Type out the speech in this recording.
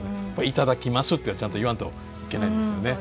いただきますってちゃんと言わんといけないですよね。